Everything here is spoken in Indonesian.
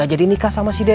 gak jadi nikah sama si dede